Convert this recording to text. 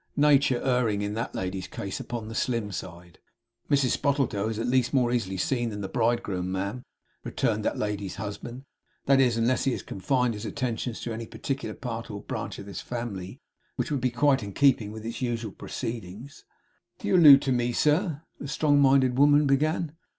Nature erring, in that lady's case, upon the slim side. 'Mrs Spottletoe is at least more easily seen than the bridegroom, ma'am,' returned that lady's husband. 'That is, unless he has confined his attentions to any particular part or branch of this family, which would be quite in keeping with its usual proceedings.' 'If you allude to me, sir ' the strong minded woman began.